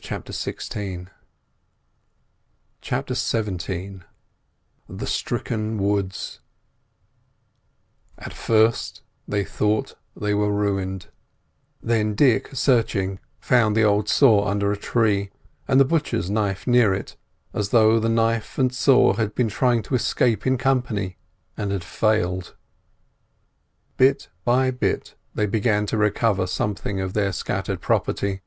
CHAPTER XVII THE STRICKEN WOODS At first they thought they were ruined; then Dick, searching, found the old saw under a tree, and the butcher's knife near it, as though the knife and saw had been trying to escape in company and had failed. Bit by bit they began to recover something of their scattered property.